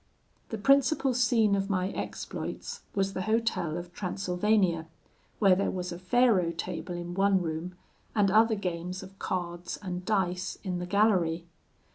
"The principal scene of my exploits was the hotel of Transylvania, where there was a faro table in one room, and other games of cards and dice in the gallery.